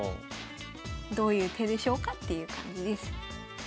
どういう手でしょうかっていう感じです。